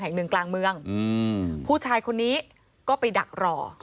แห่งหนึ่งกลางเมืองอืมผู้ชายคนนี้ก็ไปดักรอ